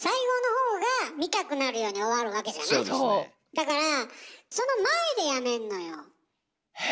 だからその前でやめんのよ。へ